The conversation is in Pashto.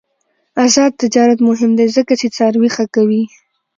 آزاد تجارت مهم دی ځکه چې څاروي ښه کوي.